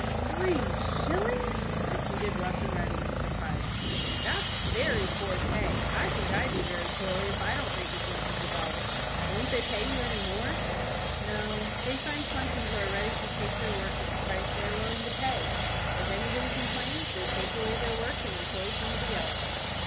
"Three shillings!" repeated Rough and Ready, in surprise. "That's very poor pay. I think I do very poorly if I don't make as much as a dollar. Won't they pay you any more?" "No, they find plenty who are ready to take their work at the price they are willing to pay. If anybody complains, they take away their work and employ somebody else."